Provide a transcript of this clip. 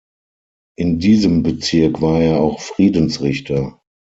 In diesem Bezirk war er auch Friedensrichter.